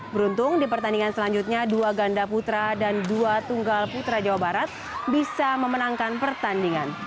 beruntung di pertandingan selanjutnya dua ganda putra dan dua tunggal putra jawa barat bisa memenangkan pertandingan